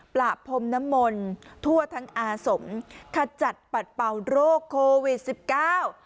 ประพรมน้ำมนต์ทั่วทั้งอาสมขจัดปัดเป่าโรคโควิดสิบเก้า